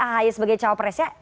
ahaya sebagai cawapres